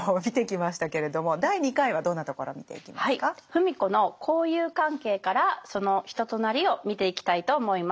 芙美子の交友関係からその人となりを見ていきたいと思います。